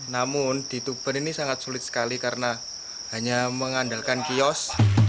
namun di tuban ini sangat sulit sekali karena hanya mengandalkan kios